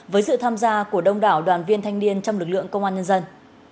với sự tham gia của đông đảo đoàn viên thanh niên trong lực lượng công an nhân dân